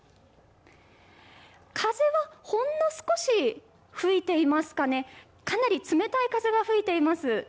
風はほんの少し吹いていますかね、かなり冷たい風が吹いています。